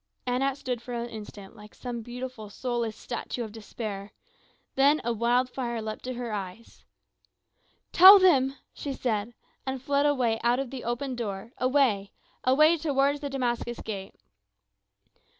Anat stood for an instant like some beautiful soulless statue of despair. Then a wild fire leapt to her eyes. "Tell them!" she said, and fled away out of the open door, away away toward the Damascus Gate.